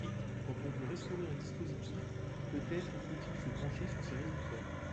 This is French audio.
Ensuite, quand on veut restaurer un dispositif, peut-être faut-il se pencher sur ses résultats.